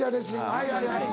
はいはいはい。